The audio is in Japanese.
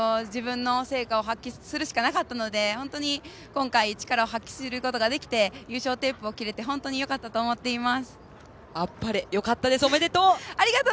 安田監督に呼んでいただいた限りは自分の成果を発揮するしかなかったので本当に今回、力を発揮できて優勝テープを切れて本当によかったと思っています。